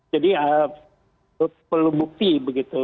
jadi perlu bukti begitu